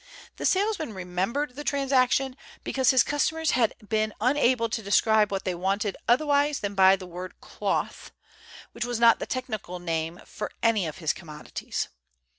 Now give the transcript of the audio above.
The salesman remembered the transaction because his customers had been unable to describe what they wanted otherwise than by the word "cloth," which was not the technical name for any of his commodities.